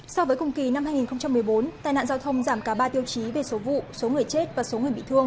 so với cùng kỳ năm hai nghìn một mươi bốn tai nạn giao thông giảm cả ba tiêu chí về số vụ số người chết và số người bị thương